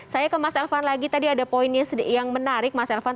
saya ke mas elvan lagi tadi ada poinnya yang menarik mas elvan